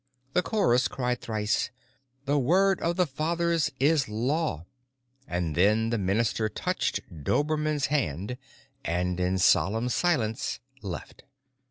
The chorus cried thrice, "The Word of the Fathers Is Law." And then the minister touched Dobermann's hand, and in solemn silence, left.